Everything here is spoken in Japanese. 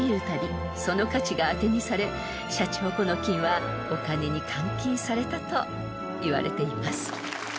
その価値が当てにされシャチホコの金はお金に換金されたといわれています］